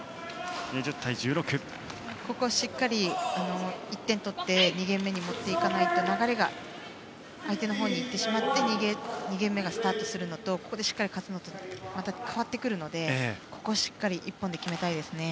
ここ、しっかり１点取って２ゲーム目に持っていかないと流れが相手のほうに行ってしまって２ゲーム目がスタートするのとここでしっかり勝つのとで変わってくるのでここはしっかり１本で決めたいですね。